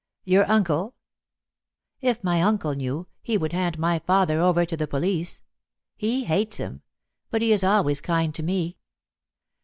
"Your uncle?" "If my uncle knew, he would hand my father over to the police. He hates him; but he is always kind to me."